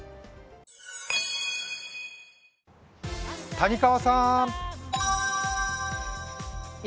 谷川さーん。